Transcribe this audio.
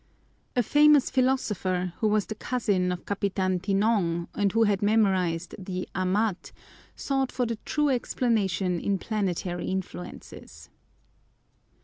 A famous philosopher, who was the cousin of Capitan Tinong and who had memorized the "Amat," sought for the true explanation in planetary influences.